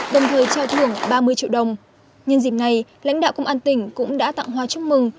đồng thời trao thưởng ba mươi triệu đồng nhân dịp này lãnh đạo công an tỉnh cũng đã tặng hoa chúc mừng